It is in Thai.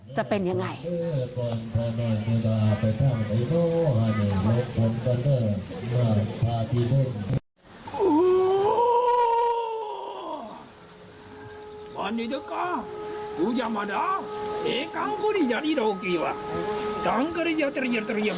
จะเป็นยังไง